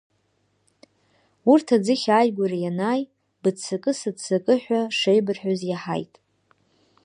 Урҭ аӡыхь ааигәара ианааи, быццакы, сыццакы ҳәа шеибырҳәоз иаҳаит.